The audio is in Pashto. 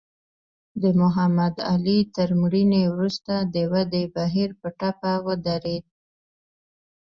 د محمد علي تر مړینې وروسته د ودې بهیر په ټپه ودرېد.